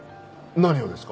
何をですか？